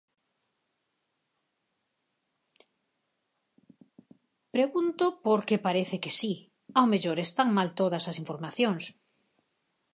Pregunto, porque parece que si, ao mellor están mal todas as informacións.